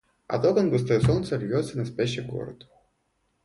От окон густое солнце льется на спящий город.